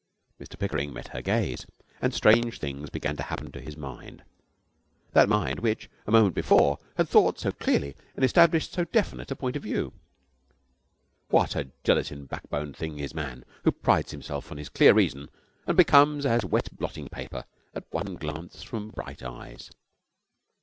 Mr Pickering met her gaze, and strange things began to happen to his mind, that mind which a moment before had thought so clearly and established so definite a point of view. What a gelatine backboned thing is man, who prides himself on his clear reason and becomes as wet blotting paper at one glance from bright eyes!